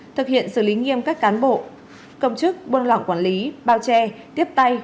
thực hiện xử lý nghiêm các cán bộ công chức buôn lỏng quản lý bao che tiếp tay